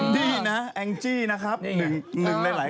พี่หนิงมาบ่อยนะคะชอบเห็นมั้ยดูมีสาระหน่อย